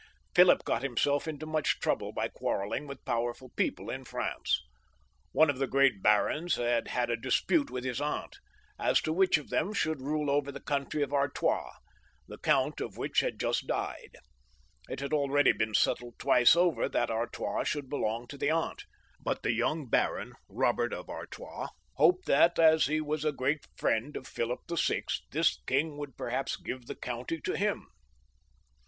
Philip got himself into much trouble by quarrelling with powerful people in France. One of the great barons had had a dispute with his aunt, as to which of them XXV.] PHILIP VL 155 should rule over the county of Artois, of which the count had just died. It had already been settled twice over that Artois should belong to the aunt, but the young baron, Eobert of Artois, hoped that as he was a great friend of Philip VI., this king would perhaps give the county to him.